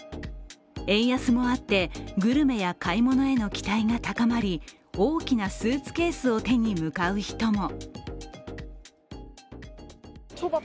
円安もあってグルメや買い物への期待が高まり大きなスーツケースを手に向かう人も。